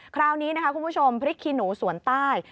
คราวนี้นะคะคุณผู้ชมพริกขี้หนูสวนใต้